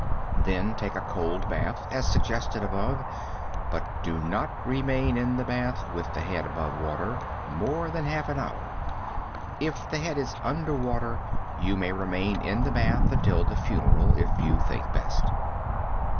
Then take a cold bath, as suggested above, but do not remain in the bath (with the head above water) more than half an hour. If the head is under water, you may remain in the bath until the funeral, if you think best.